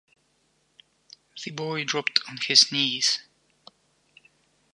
The boy dropped on his knees.